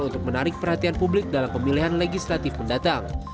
untuk menarik perhatian publik dalam pemilihan legislatif mendatang